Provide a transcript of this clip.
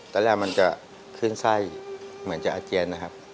ตอนแรกมันจะขึ้นไส้เหมือนจะอาเจียนนะครับ